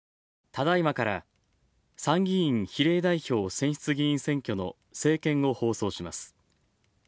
ただいまから参議院比例代表選出議員選挙の政見を放送します。